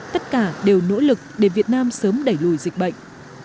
tất cả đều nỗ lực để việt nam sớm đẩy lùi dịch bệnh